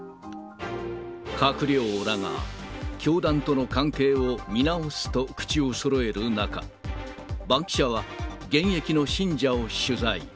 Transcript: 閣僚らが教団との関係を見直すと口をそろえる中、バンキシャは、現役の信者を取材。